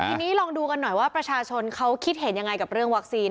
ทีนี้ลองดูกันหน่อยว่าประชาชนเขาคิดเห็นยังไงกับเรื่องวัคซีน